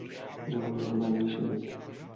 যেমন ধরুন, আমিই সেই ব্যক্তি।